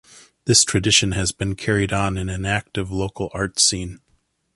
This tradition has been carried on in an active local arts scene.